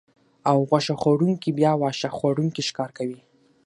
او غوښه خوړونکي بیا واښه خوړونکي ښکار کوي